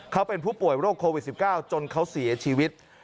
เขาเป็นผู้ป่วยโรคโควิด๑๙จนเขาเสียชีวิต